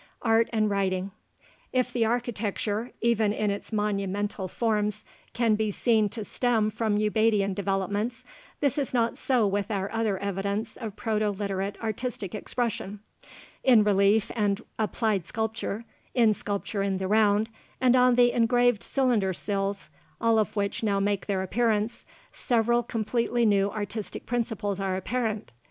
ART AND WRITING If the architecture, even in its monumental forms, can be seen to stem from Ubaidian developments, this is not so with our other evidence of Proto Literate artistic expression. In relief and applied sculpture, in sculpture in the round, and on the engraved cylinder seals all of which now make their appearance several completely new artistic principles are apparent.